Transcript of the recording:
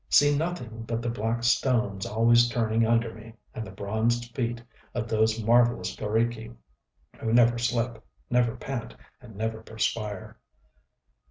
See nothing but the black stones always turning under me, and the bronzed feet of those marvellous g┼Źriki who never slip, never pant, and never perspire....